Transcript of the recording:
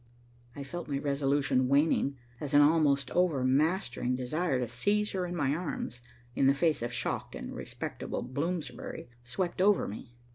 I felt my resolution waning, as an almost overmastering desire to seize her in my arms, in the face of shocked and respectable Bloomsbury, swept over me.